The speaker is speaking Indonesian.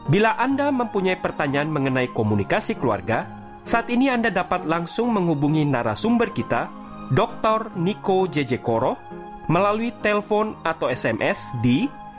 bila anda mempunyai pertanyaan mengenai komunikasi keluarga saat ini anda dapat langsung menghubungi narasumber kita dr niko jejekoro melalui telpon atau sms di delapan ratus tiga belas seribu delapan ratus enam lima ribu enam ratus tiga puluh delapan